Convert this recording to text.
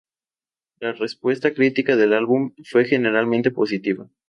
La respuesta crítica del álbum fue generalmente positiva.